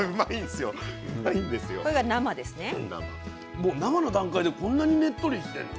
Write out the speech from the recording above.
もう生の段階でこんなにねっとりしてんの？